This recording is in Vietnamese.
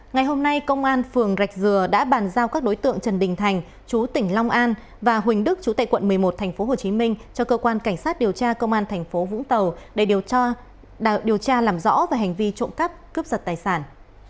ngày hôm nay công an phường rạch dừa đã bàn giao các đối tượng trần đình thành chú tỉnh long an và huỳnh đức chú tại quận một mươi một tp hcm cho cơ quan cảnh sát điều tra công an thành phố vũng tàu để điều tra làm rõ về hành vi trộm cắp cướp giật tài sản